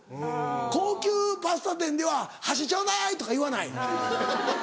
高級パスタ店では「箸ちょうだい」とか言わない。